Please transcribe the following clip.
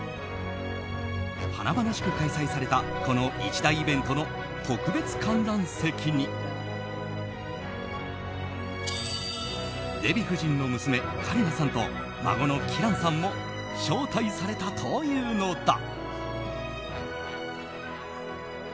華々しく開催されたこの一大イベントの特別観覧席にデヴィ夫人の娘カリナさんと孫のキランさんも招待されたというのだ。